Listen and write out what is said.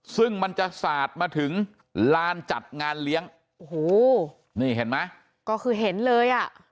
ซึ่งมันจะสาดมาถึงลานจัดงานเลี้ยงโอ้โหนี่เห็นไหมก็คือเห็นเลยอ่ะ